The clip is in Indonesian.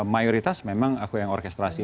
mayoritas memang aku yang orkestrasi